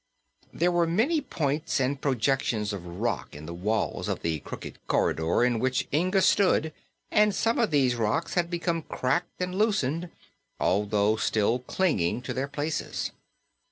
There were many points and projections of rock in the walls of the crooked corridor in which Inga stood and some of these rocks had become cracked and loosened, although still clinging to their places.